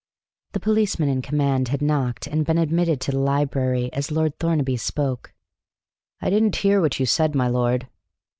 The policeman in command had knocked and been admitted to the library as Lord Thornaby spoke. "I didn't hear what you said, my lord."